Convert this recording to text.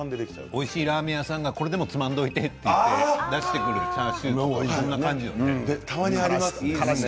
おいしいラーメン屋さんがこれでもつまんでてと言って出してくれるチャーシューみたいな感じで。